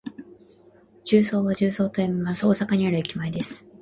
十三は「じゅうそう」と読みます。大阪にある駅前です。